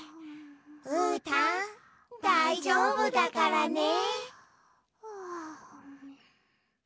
うーたんだいじょうぶだからね。